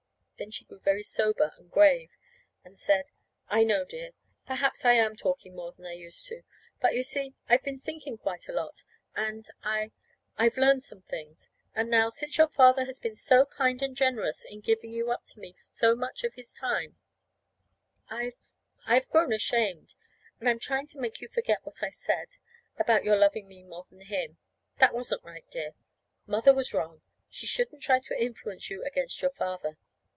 Then she grew very sober and grave, and said: "I know, dear. Perhaps I am talking more than I used to. But, you see, I've been thinking quite a lot, and I I've learned some things. And now, since your father has been so kind and generous in giving you up to me so much of his time, I I've grown ashamed; and I'm trying to make you forget what I said about your loving me more than him. That wasn't right, dear. Mother was wrong. She shouldn't try to influence you against your father.